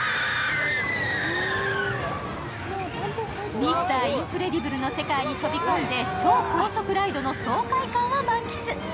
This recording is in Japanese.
「Ｍｒ．インクレディブル」の世界に飛び込んで超高速ライドの爽快感を満喫。